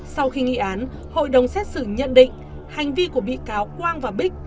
sau khi nghị án hội đồng xét xử nhận định hành vi của bị cáo quang và bích